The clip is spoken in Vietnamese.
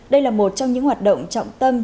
đây là một trong những hoạt động trọng tâm